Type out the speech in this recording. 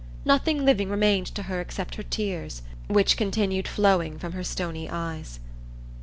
Nothing living remained to her except her tears, which continued flowing from her stony eyes.